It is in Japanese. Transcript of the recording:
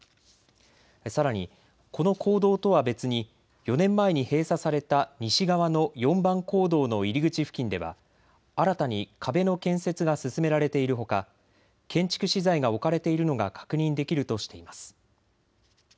さらにこの坑道とは別に４年前に閉鎖された西側の４番坑道の入り口付近では新たに壁の建設が進められているほか建築資材が置かれているのが確認できるとしています。